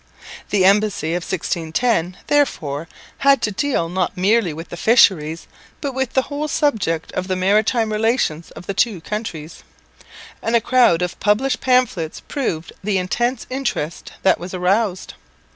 The embassy of 1610, therefore, had to deal not merely with the fisheries, but with the whole subject of the maritime relations of the two countries; and a crowd of published pamphlets proves the intense interest that was aroused.